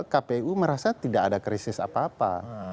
kpu merasa tidak ada krisis apa apa